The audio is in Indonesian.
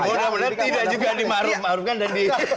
mudah mudahan tidak juga di ma'ruf ma'rufkan dan di